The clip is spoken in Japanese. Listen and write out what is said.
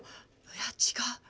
いや違う。